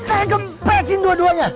saya gempesin dua duanya